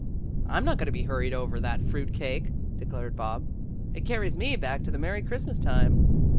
"I'm not going to be hurried over that fruit cake," declared Bob. "It carries me back to the merry Christmas time."